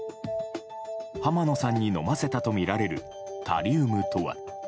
浜野さんに飲ませたとみられるタリウムとは？